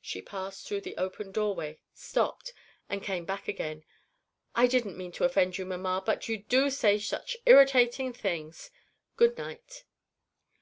She passed through the open doorway stopped and came back again. "I didn't mean to offend you, mamma but you do say such irritating things. Good night."